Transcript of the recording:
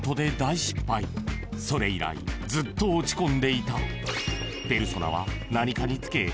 ［それ以来ずっと落ち込んでいた］